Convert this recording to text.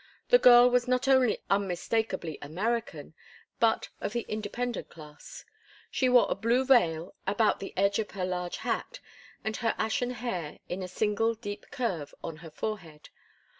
The girl was not only unmistakably American, but of the independent class. She wore a blue veil about the edge of her large hat, and her ashen hair in a single deep curve on her forehead.